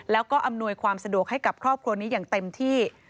ทำให้ความสะดวกให้กับครอบครัวนี้อย่างเต็มที่